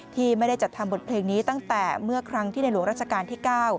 ที่ไม่ได้จัดทำบทเพลงนี้ตั้งแต่เมื่อครั้งที่ในหลวงราชการที่๙